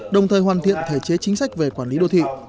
đồng thời hoàn thiện thể chế chính sách về quản lý đô thị